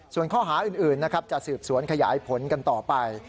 ส่วนข้อหาอื่นนะครับจะสืบสวนขยายผลกันต่อไป